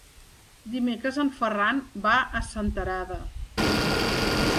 Dimecres en Ferran va a Senterada.